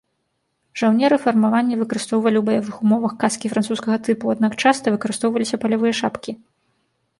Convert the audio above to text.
Жаўнеры фармавання выкарыстоўвалі ў баявых умовах каскі французскага тыпу, аднак часта выкарыстоўваліся палявыя шапкі.